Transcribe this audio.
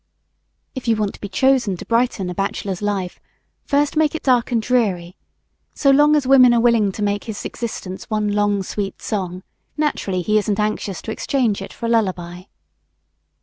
If you want to be chosen to brighten a bachelor's life, first make it dark and dreary; so long as women are willing to make his existence one long sweet song, naturally he isn't anxious to exchange it for a lullaby.